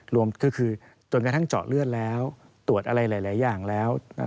รวมถึงจนกระทั่งเจาะเลือดแล้วตรวจอะไรหลายอย่างแล้ว